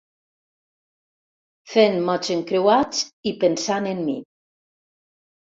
Fent mots encreuats i pensant en mi.